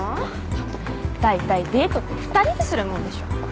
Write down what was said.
大体デートって２人でするもんでしょ。